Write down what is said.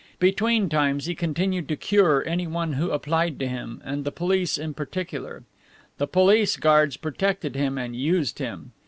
Between times he continued to cure anyone who applied to him, and the police in particular. The police guards protected him and used him.